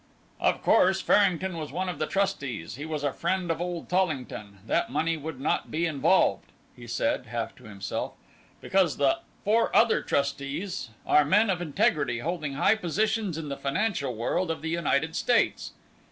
"Of course, Farrington was one of the trustees; he was a friend of old Tollington. That money would not be involved," he said, half to himself, "because the four other trustees are men of integrity holding high positions in the financial world of the United States.